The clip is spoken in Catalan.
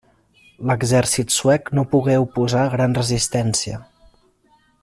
L'exèrcit suec no pogué oposar gran resistència.